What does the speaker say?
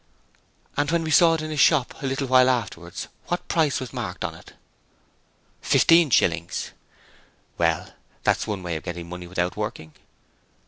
'And when we saw it in his shop window a little while afterwards, what price was marked on it?' 'Fifteen shillings.' Well, that's one way of getting money without working.